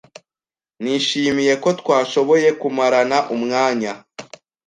Nishimiye ko twashoboye kumarana umwanya.